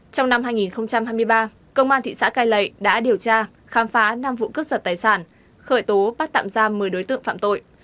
trong năm hai nghìn hai mươi ba công an thị xã cai lệ đã điều tra khám phá năm vụ cướp giật tài sản khởi tố bắt tạm giam một mươi đối tượng phạm tội